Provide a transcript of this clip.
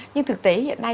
nhưng thực tế hiện nay